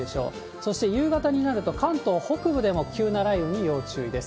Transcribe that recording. そして夕方になると、関東北部でも急な雷雨に要注意です。